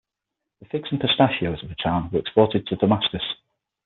The figs and pistachios of the town were exported to Damascus.